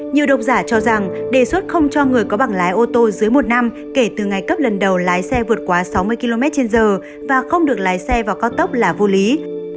nhiều độc giả cho rằng đề xuất không cho người có bảng lái ô tô dưới một năm kể từ ngày cấp lần đầu lái xe vượt quá sáu mươi km trên giờ và không được lái xe vào cao tốc là vô lý